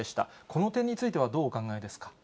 この点については、どうお考えですか。